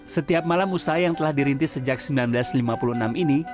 setiap malam usaha yang telah dirintis sejak seribu sembilan ratus lima puluh enam ini